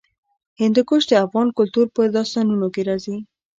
هندوکش د افغان کلتور په داستانونو کې راځي.